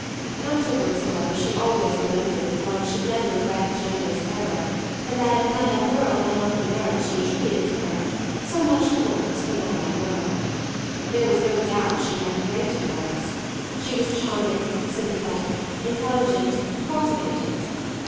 Afterwards, however, she always remembered that one should never regret a generous error and that if Madame Merle had not the merits she attributed to her, so much the worse for Madame Merle. There was no doubt she had great merits she was charming, sympathetic, intelligent, cultivated.